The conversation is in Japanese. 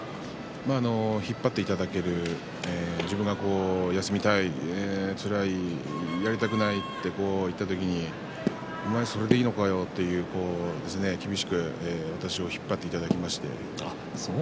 引っ張っていただける自分が休みたい、つらいやりたくないと言った時にお前、それでいいのかよと厳しく私を引っ張ってくれまして。